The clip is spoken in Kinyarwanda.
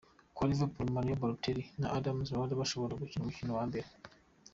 Kwa Liverpool, Mario Balotelli na Adam Lallana bashobora gukina umukino wa mbere.